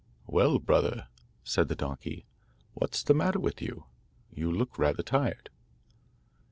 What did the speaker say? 'Well, brother,' said the donkey, 'what's the matter with you? You look rather tired.